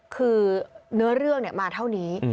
คือเนื้อเรื่องมาเท่านี้